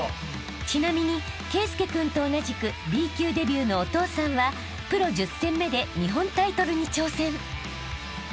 ［ちなみに圭佑君と同じくＢ級デビューのお父さんはプロ１０戦目で日本タイトルに挑戦］